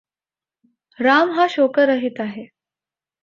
राम हा शोकरहित आहे.